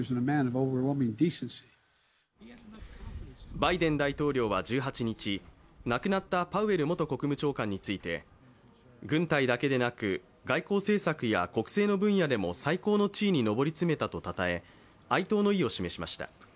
バイデン大統領は１８日、亡くなったパウエル元国務長官について軍隊だけでなく外交政策や国政の分野でも最高の地位に上り詰めたとたたえ、哀悼の意を示しました。